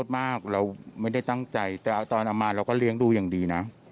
ไม่เคยคิดเอามาทำอย่างอื่นเลย